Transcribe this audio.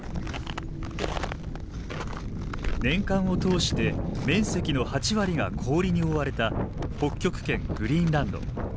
年間を通して面積の８割が氷に覆われた北極圏グリーンランド。